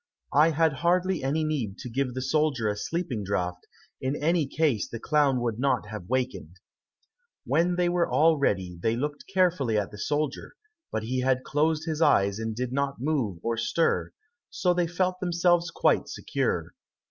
I had hardly any need to give the soldier a sleeping draught, in any case the clown would not have awakened." When they were all ready they looked carefully at the soldier, but he had closed his eyes and did not move or stir, so they felt themselves quite secure.